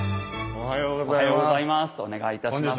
おはようございます。